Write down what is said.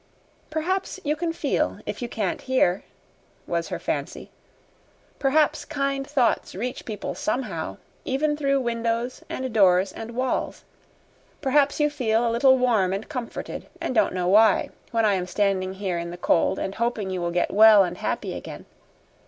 "Perhaps you can FEEL if you can't hear," was her fancy. "Perhaps kind thoughts reach people somehow, even through windows and doors and walls. Perhaps you feel a little warm and comforted, and don't know why, when I am standing here in the cold and hoping you will get well and happy again.